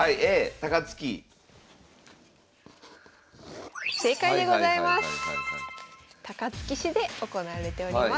高槻市で行われております。